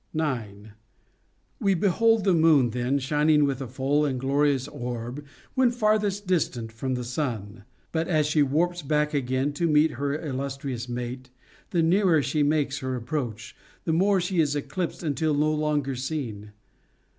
9. We behold the moon then shining with a full and glorious orb, when farthest distant from the sun ; but, as she warps back again to meet her illustrious mate, the nearer she makes her approach, the more she is eclipsed until no longer seen.